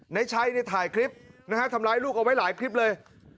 ในชัยเนี่ยถ่ายคลิปนะฮะทำร้ายลูกเอาไว้หลายคลิปเลย